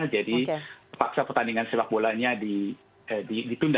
jadi paksa pertandingan sepak bolanya ditunda